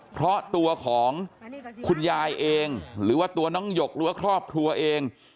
เพราะตัวของคุณยายเองหรือว่าตัวน้องหยกหรือว่าครอบครัวเอง